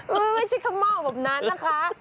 ไม่ใช่ข้าวเม่าแบบนั้นนะคะ